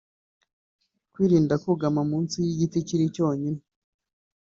kwirinda kugama munsi y’igiti kiri cyonyine